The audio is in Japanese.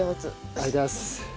ありがとうございます。